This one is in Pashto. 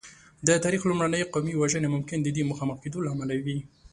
د تاریخ لومړنۍ قومي وژنې ممکن د دې مخامخ کېدو له امله وې.